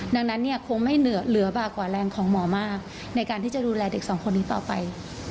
ดังนั้นเนี่ยคงไม่เหลือบากกว่าแรงของหมอมากในการที่จะดูแลเด็กสองคนนี้ต่อไป